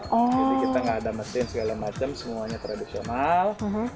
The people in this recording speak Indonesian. jadi kita tidak ada mesin dan semuanya tradisional